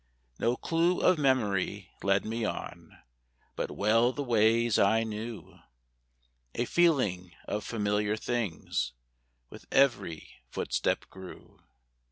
No clue of memory led me on, But well the ways I knew; A feeling of familiar things With every footstep grew.